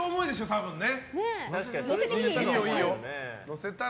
多分ね。